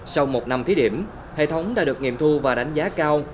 sau một năm thí điểm hệ thống đã được nghiệm thu và đánh giá cao